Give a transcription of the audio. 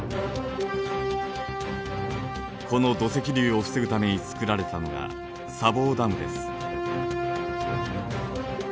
この土石流を防ぐためにつくられたのが砂防ダムです。